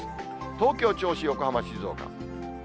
東京、銚子、横浜、静岡。